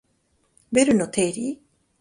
ベルの定理